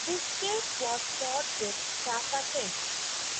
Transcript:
This case was fought with Jaffacakes.